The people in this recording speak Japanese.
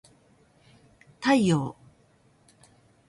太陽